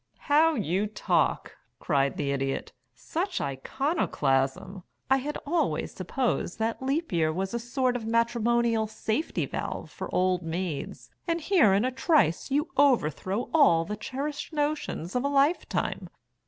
"How you talk," cried the Idiot. "Such iconoclasm. I had always supposed that Leap Year was a sort of matrimonial safety valve for old maids, and here in a trice you overthrow all the cherished notions of a lifetime.